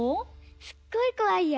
すっごい怖いよ。